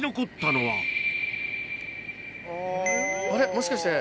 もしかして。